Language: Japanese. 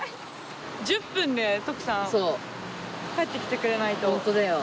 １０分で徳さん帰ってきてくれないと。